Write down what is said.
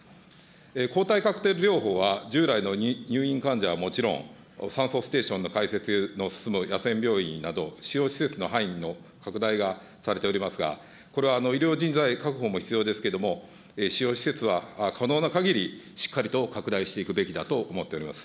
抗体カクテル療法は従来の入院患者はもちろん、酸素ステーションの開設の進む野戦病院など、使用施設の範囲も拡大がされておりますが、これは医療人材確保も必要ですけれども、使用施設は可能なかぎりしっかりと拡大していくべきだと思っております。